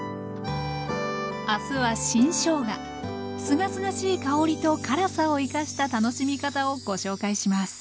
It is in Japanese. すがすがしい香りと辛さを生かした楽しみ方をご紹介します